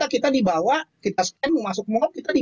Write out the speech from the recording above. kita dibawa ke situs lain